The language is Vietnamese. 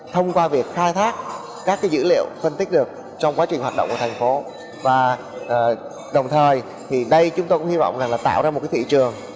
thông qua việc khai thác các dữ liệu phân tích được trong quá trình hoạt động của thành phố và đồng thời thì đây chúng tôi cũng hy vọng là tạo ra một thị trường